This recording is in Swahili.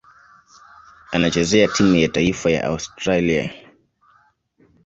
Anachezea timu ya taifa ya Australia.